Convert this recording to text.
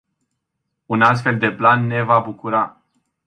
Un astfel de plan ne va bucura.